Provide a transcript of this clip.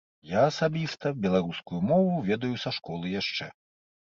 Я асабіста беларускую мову ведаю са школы яшчэ.